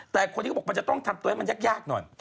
แต่คนที่เขาบอกมันจะต้องทำตัวให้มันยากหน่อย